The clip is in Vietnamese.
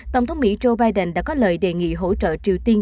tổng thống mỹ joe biden đã có lời đề nghị hỗ trợ triều tiên